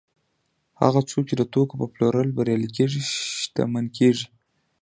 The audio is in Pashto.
هغه څوک چې د توکو په پلورلو بریالي کېږي شتمن کېږي